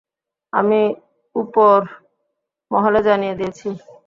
আমি উপর মহলে জানিয়ে দিয়েছি।